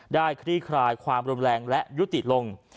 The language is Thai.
คลี่คลายความรุนแรงและยุติลง